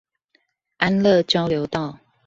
安樂交流道